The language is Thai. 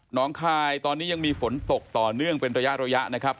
น้องคายตอนนี้ยังมีฝนตกต่อเนื่องเป็นระยะนะครับ